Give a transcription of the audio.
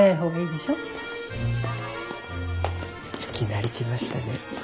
いきなり来ましたね。